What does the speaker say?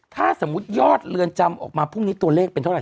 ถ้าสมมุติยอดเรือนจำออกมาพรุ่งนี้ตัวเลขเป็นเท่าไห